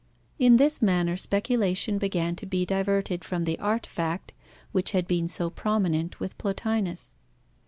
In this manner speculation began to be diverted from the art fact, which had been so prominent with Plotinus.